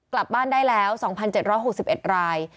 กลับบ้านได้แล้ว๒๗๖๑ราย